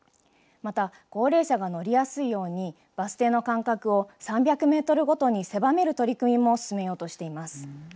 また高齢者が乗りやすいように、バス停の間隔を３００メートルごとに狭める取り組みも進めようとしています。